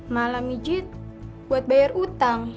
malam ijit buat bayar utang